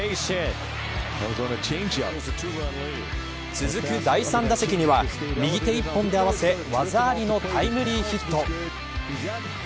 続く第３打席には右手一本で合わせ技ありのタイムリーヒット。